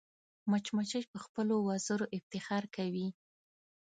مچمچۍ په خپلو وزرو افتخار کوي